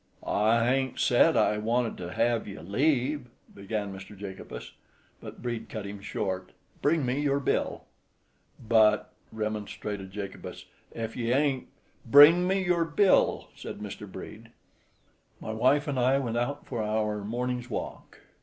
"I hain't said I wanted to hev ye leave——" began Mr. Jacobus; but Brede cut him short. "Bring me your bill." "But," remonstrated Jacobus, "ef ye ain't——" "Bring me your bill!" said Mr. Brede. My wife and I went out for our morning's walk.